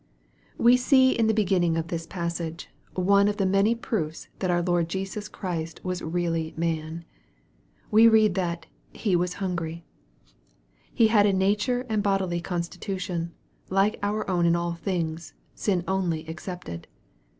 WE see in the beginning of this passage, one of the many proofs that our Lord Jesus Christ was really man. We read that " He was hungry." He had a nature and bodily constitution, like our own in all things, sin only excepted.